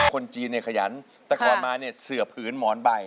คนจีนเนี่ยขยันแต่ก่อนมาเนี่ยเสือผืนหมอนใบ